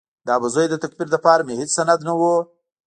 د ابوزید د تکفیر لپاره مې هېڅ سند نه و.